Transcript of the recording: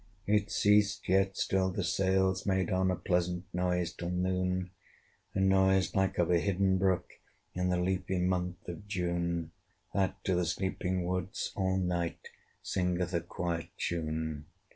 It ceased; yet still the sails made on A pleasant noise till noon, A noise like of a hidden brook In the leafy month of June, That to the sleeping woods all night Singeth a quiet tune.